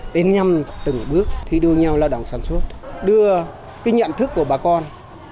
đến nhằm từng bước thi đua nhau lao động sản xuất đưa cái nhận thức của bà con